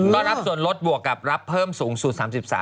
ก็รับส่วนลดบวกกับรับเพิ่มสูงสุด๓๓